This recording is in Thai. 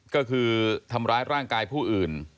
ก็คือทำร้ายร่างกายผู้อื่น